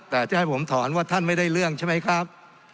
แต่จะให้ผมถอนว่าท่านไม่ได้เรื่องใช่ไหมครับ